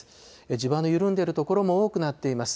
地盤の緩んでいる所も多くなっています。